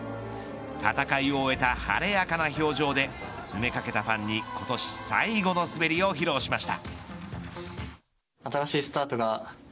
戦いを終えた晴れやかな表情で詰め掛けたファンに今年最後の滑りを披露しました。